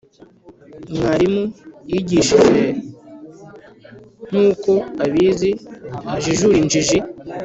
Mwarimu yigishe nkuko abizi ajijure injiji